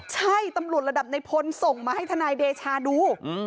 ใช่ตำรวจระดับในพลส่งมาให้ทนายเดชาดู